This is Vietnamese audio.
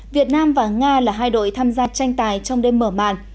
việt nam và nga là hai đội tham gia tranh tài trong đêm mở màn